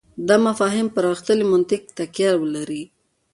دا مفاهیم پر غښتلي منطق تکیه ولري.